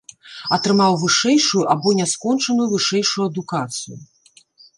Атрымаў вышэйшую або няскончаную вышэйшую адукацыю.